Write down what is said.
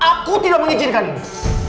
aku tidak mengizinkan ini